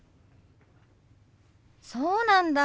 そうなんだ。